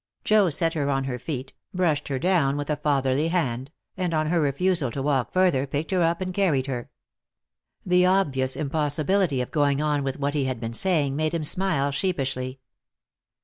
Joe set her on her feet, brushed her down with a fatherly hand, and on her refusal to walk further picked her up and carried her. The obvious impossibility of going on with what he had been saying made him smile sheepishly.